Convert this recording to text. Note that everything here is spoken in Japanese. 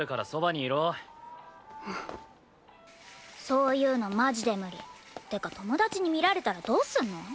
そういうのマジで無理。ってか友達に見られたらどうすんの？